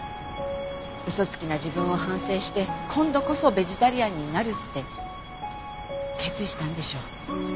嘘つきな自分を反省して今度こそベジタリアンになるって決意したんでしょう。